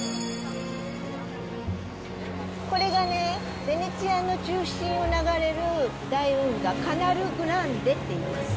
これがね、ヴェネツィアの中心を流れる大運河、カナル・グランデっていいます。